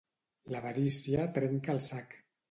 L'avarícia trenca el sac